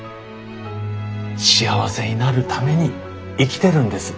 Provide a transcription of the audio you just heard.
幸せになるために生きてるんです。